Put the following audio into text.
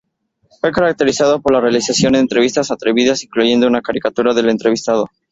Fue caracterizado por la realización de entrevistas atrevidas incluyendo una caricatura del entrevistado.